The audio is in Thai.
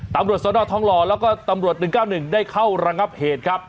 ตำรวจสนทองหล่อแล้วก็ตำรวจ๑๙๑ได้เข้าระงับเหตุครับ